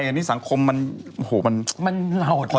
อันนี้สังคมมันอ๋อมันมันเหล่าท้าย